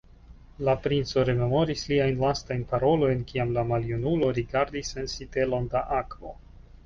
La princo rememoris liajn lastajn parolojn, kiam la maljunulo, rigardis en sitelon da akvo